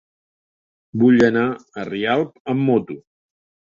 Vull anar a Rialp amb moto.